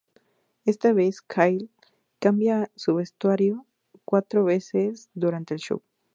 Esta vez Kylie cambia de vestuario cuatro veces durante el show.